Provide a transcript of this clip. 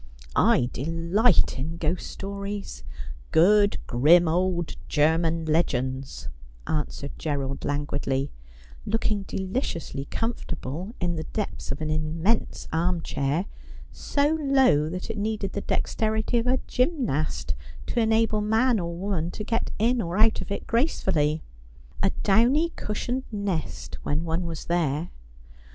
' I delight in ghost stories — good grim old German legends,' answered Gerald languidly, looking deliciously comfortable in the depths of an immense armchair, so low that it needed the dexterity of a gymnast to enable man or woman to get in or out of it gracefully — ^a downy cushioned nest when one was there.